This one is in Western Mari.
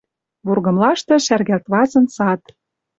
Вургымлашты шӓргӓлт вазын сад.